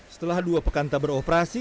setelah dua pekanta beroperasi